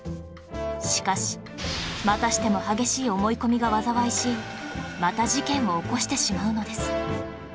しかしまたしても激しい思い込みが災いしまた事件を起こしてしまうのです